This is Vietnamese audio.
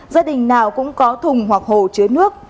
gia đình nào cũng có thùng hoặc hồ chứa nước